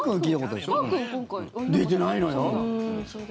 出てないのよ。